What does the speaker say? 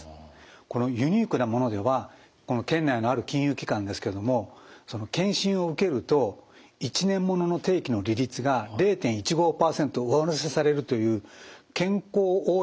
このユニークなものではこの県内のある金融機関ですけれども健診を受けると１年ものの定期の利率が０．１５％上乗せされるという健康応援